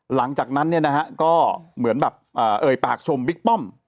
หลังจากนั้นเนี่ยนะฮะก็เหมือนแบบเอ่ยปากชมบิ๊กป้อม